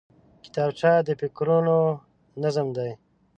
کتابچه د فکرونو نظم دی